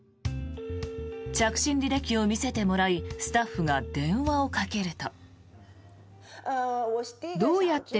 着信履歴を見せてもらいスタッフが電話をかけると。